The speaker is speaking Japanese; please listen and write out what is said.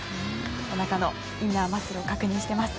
おなかのインナーマッスルを確認しています。